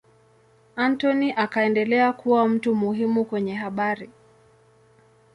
Anthony akaendelea kuwa mtu muhimu kwenye habari.